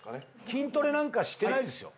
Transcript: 筋トレなんかしてないですよ。